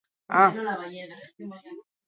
Bere gorputza likatsua da eta bi antena ditu.